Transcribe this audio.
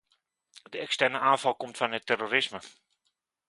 De externe aanval komt van het terrorisme.